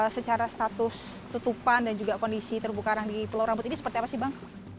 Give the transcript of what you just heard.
secara status tutupan dan juga kondisi terumbu karang di pulau rambut ini seperti apa sih bang